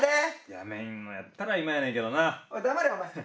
やめるのやったら今やねんけどな。おい黙れお前。